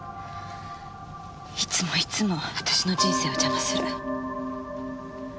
いつもいつも私の人生を邪魔する。